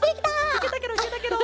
いけたケロいけたケロ。